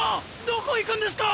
どこ行くんですか！？